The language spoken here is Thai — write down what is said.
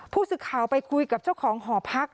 ผู้สื่อข่าวไปคุยกับเจ้าของหอพัก